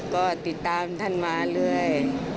ก็ติดตามท่านมาเลย